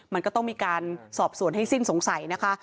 มันก็ต้องมีการสอบสวนให้สิ้นสงสัยนะคะ